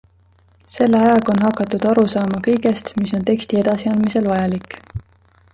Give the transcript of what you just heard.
Selle ajaga on hakatud aru saama kõigest, mis on teksti edasiandmisel vajalik.